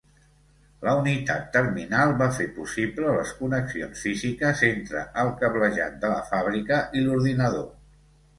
La unitat terminal va fer possible les connexions físiques entre el cablejat de la fàbrica i l'ordinador.